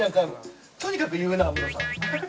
とにかく有名なのムロさん。